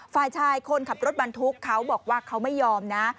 ฝ่ายชายคนขับรถบรรทุกเขาบอกว่าเขาไม่ยอมนะ